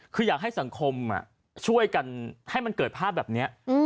คืออยากให้สังคมช่วยกันให้มันเกิดภาพแบบนี้